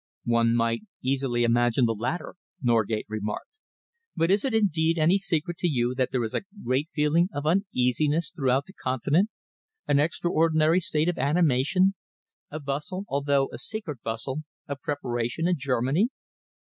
"One might easily imagine the latter," Norgate remarked. "But is it indeed any secret to you that there is a great feeling of uneasiness throughout the Continent, an extraordinary state of animation, a bustle, although a secret bustle, of preparation in Germany?"